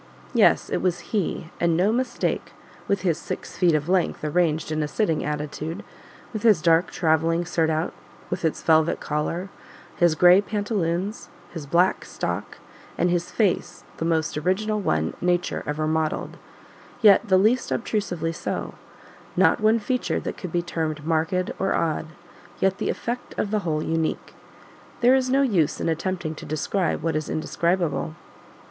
Yes, it was HE, and no mistake, with his six feet of length arranged in a sitting attitude; with his dark travelling surtout with its velvet collar, his gray pantaloons, his black stock, and his face, the most original one Nature ever modelled, yet the least obtrusively so; not one feature that could be termed marked or odd, yet the effect of the whole unique. There is no use in attempting to describe what is indescribable.